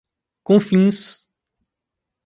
Confins